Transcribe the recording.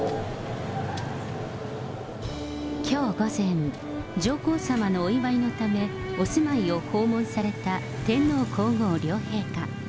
きょう午前、上皇さまのお祝いのため、お住まいを訪問された天皇皇后両陛下。